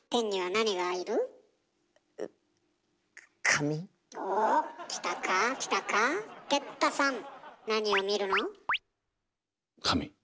何を見るの？